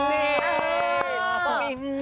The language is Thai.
อื้อต้องกล้าด้วย